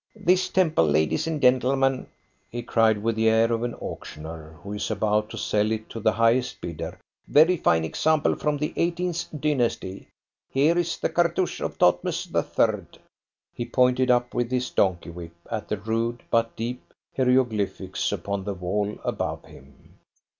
"This temple, ladies and gentlemen," he cried, with the air of an auctioneer who is about to sell it to the highest bidder, "very fine example from the eighteenth dynasty. Here is the cartouche of Thotmes the Third," he pointed up with his donkey whip at the rude, but deep, hieroglyphics upon the wall above him.